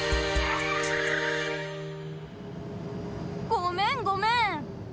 ごめんごめん！